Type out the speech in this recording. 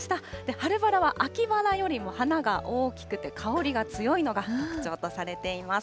春バラは秋バラよりも花が大きくて、香りが強いのが特徴とされています。